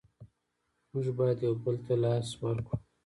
مونږ باید یو بل ته لاس ورکړو.